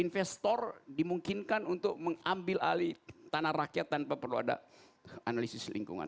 investor dimungkinkan untuk mengambil alih tanah rakyat tanpa perlu ada analisis lingkungan